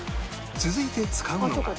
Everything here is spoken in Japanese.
続いて使うのが